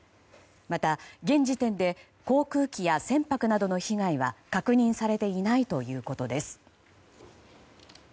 また、現時点で航空機や船舶などの被害は確認されていないということです。